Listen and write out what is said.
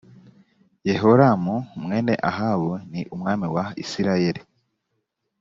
yehoramu mwene ahabu ni umwami wa isirayeli